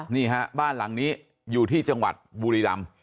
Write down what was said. นี่ฮะบ้านหลังนี้อยู่ที่จังหวัดบุรีรำ